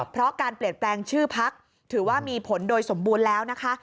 เพราะการเปลี่ยนแปลงชื่อพักถือว่ามีผลโดยสมบูรณ์แล้วนะคะ